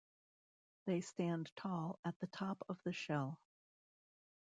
They stand tall at the top of the shell.